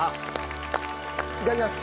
いただきます。